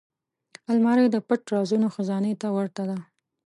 الماري د پټ رازونو خزانې ته ورته ده